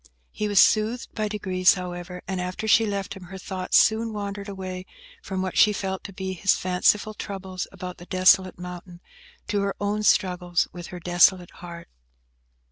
He was soothed by degrees, however, and after she left him, her thoughts soon wandered away from what she felt to be his fanciful troubles about the desolate mountain, to her own struggles with her desolate heart.